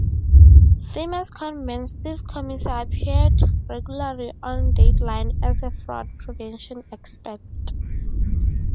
Famous con man Steve Comisar appeared regularly on Dateline as a fraud prevention expert.